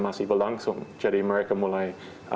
masih berlangsung jadi mereka mulai